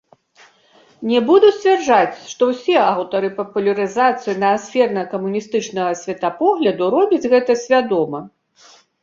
Не буду сцвярджаць, што ўсе аўтары папулярызацыі наасферна-камуністычнага светапогляду робяць гэта свядома.